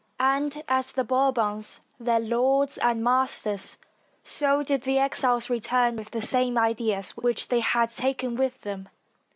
And as the Bourbons, their lords and masters, so did the exiles return with the same ideas which they had taken with them.